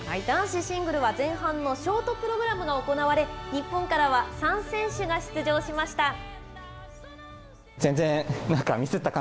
男子シングルは前半のショートプログラムが行われ、日本からは３選手が出場しました。